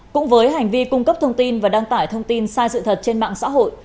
cũng với hành vi cung cấp thông tin và đăng tải thông tin sai sự thật trên mạng xã hội